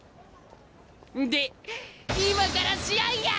で今から試合や！